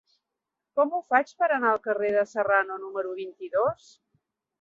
Com ho faig per anar al carrer de Serrano número vint-i-dos?